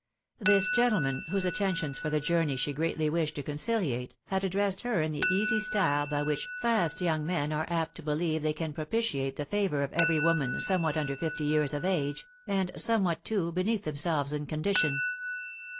This gentleman, whose mentions for the journey she greatly wished to conciliate, had addressed her in the easy style by which '■ fast" young men •re apt to believe they can propitiate the favour of every woman somewhat under fifty years of age, and somewhat, too, beneath themselves in condition.